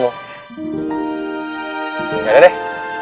gak ada deh